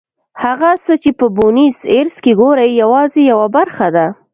هغه څه چې په بونیس ایرس کې ګورئ یوازې یوه برخه ده.